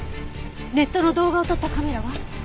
ネットの動画を撮ったカメラは？